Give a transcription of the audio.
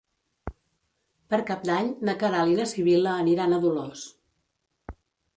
Per Cap d'Any na Queralt i na Sibil·la aniran a Dolors.